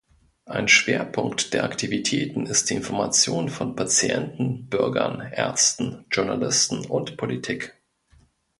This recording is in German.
Ein Schwerpunkt der Aktivitäten ist die Information von Patienten, Bürgern, Ärzten, Journalisten und Politik.